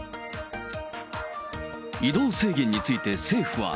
移動制限について政府は。